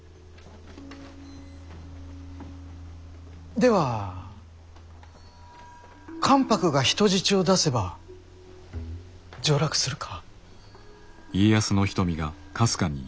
では関白が人質を出せば上洛するか？